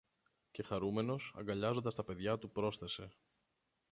Και χαρούμενος, αγκαλιάζοντας τα παιδιά του πρόσθεσε